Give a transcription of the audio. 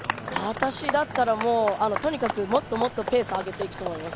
私だったらもうとにかくもっともっとペース上げていくと思います。